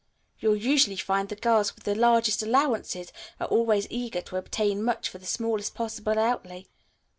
You'll usually find the girls with the largest allowances are always eager to obtain much for the smallest possible outlay.